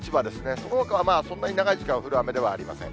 そのほかは、そんなに長い時間降る雨ではありません。